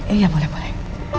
iya boleh boleh